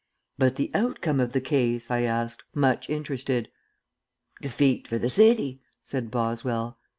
"But the outcome of the case?" I asked, much interested. "Defeat for the city," said Boswell.